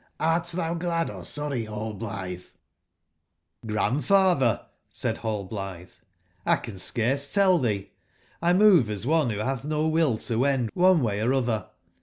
Hrt tbou glad or sorry, Rallblitbe?" 5^ ^^'erandfatbcr/' said Rallblitbc, ''I can scarce tcii tbcc : 1 move as one wbo batb no will to wend one way or otber.